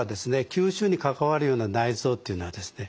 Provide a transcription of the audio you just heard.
吸収に関わるような内臓というのはですね